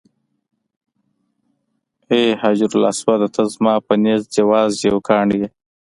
ای حجر اسوده ته زما په نزد یوازې یو کاڼی یې.